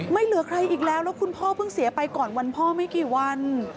เหลือใครอีกแล้วแล้วคุณพ่อเพิ่งเสียไปก่อนวันพ่อไม่กี่วัน